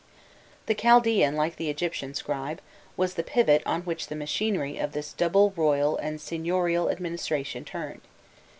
The Chaldaean, like the Egyptian scribe, was the pivot on which the machinery of this double royal and seignorial administration turned.